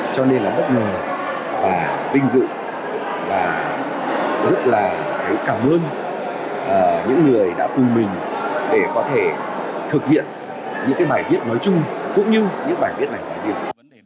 cho nên là bất ngờ và vinh dự và rất là cảm ơn những người đã cùng mình để có thể thực hiện những cái bài viết nói chung cũng như những bài viết này nói riêng